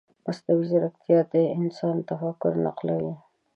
مصنوعي ځیرکتیا د انسان تفکر نقلوي.